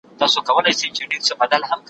قاضي پخپله خرې نيولې، نورو ته ئې نصيحت کاوه.